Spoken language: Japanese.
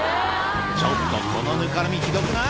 「ちょっとこのぬかるみひどくない？」